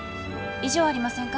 異常ありませんか？